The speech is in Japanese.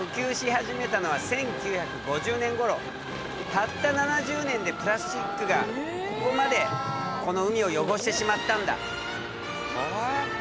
たった７０年でプラスチックがここまでこの海を汚してしまったんだ。